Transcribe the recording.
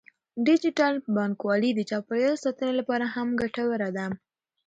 ډیجیټل بانکوالي د چاپیریال ساتنې لپاره هم ګټوره ده.